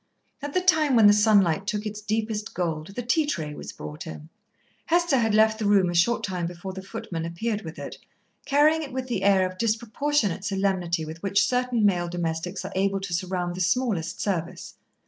At the time when the sunlight took its deepest gold the tea tray was brought in. Hester had left the room a short time before the footman appeared with it, carrying it with the air of disproportionate solemnity with which certain male domestics are able to surround the smallest service.